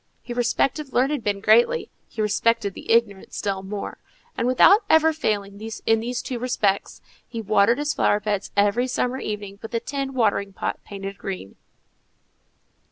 He respected learned men greatly; he respected the ignorant still more; and, without ever failing in these two respects, he watered his flower beds every summer evening with a tin watering pot painted green.